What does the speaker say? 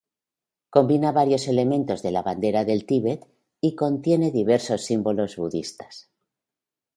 Combina varios elementos de la bandera del Tíbet, y contiene diversos símbolos budistas.